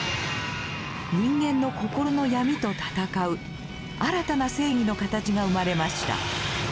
人間の心の闇と戦う新たな正義の形が生まれました。